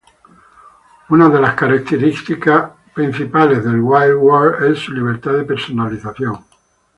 Una de las principales características de "Wild World" es su libertad de personalización.